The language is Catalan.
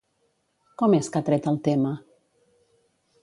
Com és que ha tret el tema?